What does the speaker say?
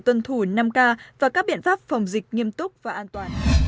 tuân thủ năm k và các biện pháp phòng dịch nghiêm túc và an toàn